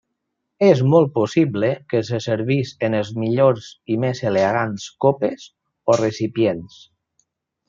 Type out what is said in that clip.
És molt possible que se servís en les millors i més elegants copes o recipients.